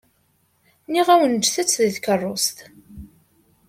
Nniɣ-awen ǧǧet-t deg tkeṛṛust.